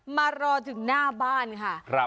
มารอถึงหน้าบ้านค่ะ